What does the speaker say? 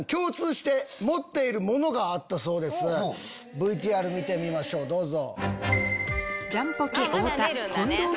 ＶＴＲ見てみましょうどうぞ。